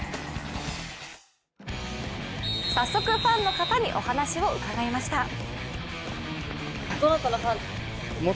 早速、ファンの方にお話を伺いました。